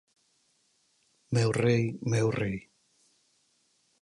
Meu rei, meu rei.